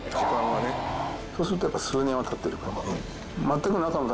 そうするとやっぱり数年はたってる。